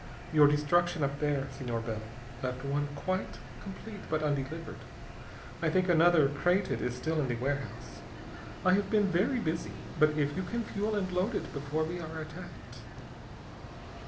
Your destruction up there, Senor Bell, left one quite complete but undelivered. I think another, crated, is still in the warehouse. I have been very busy, but if you can fuel and load it before we are attacked...."